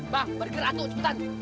bang burger ato cepetan